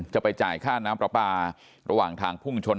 จะไปจ่ายค่าน้ำปลาปลาระหว่างทางพุ่งชน